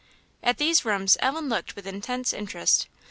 At these rooms Ellen looked with intense interest.